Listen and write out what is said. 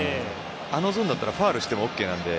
あのゾーンならファウルしてもＯＫなので。